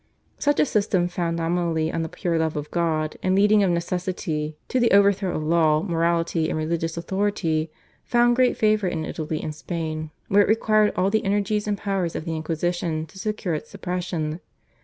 Such a system, founded nominally on the pure love of God, and leading of necessity to the overthrow of law, morality, and religious authority, found great favour in Italy and Spain, where it required all the energies and powers of the Inquisition to secure its suppression.